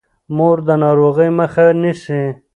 مور د ناروغۍ مخه نیسي.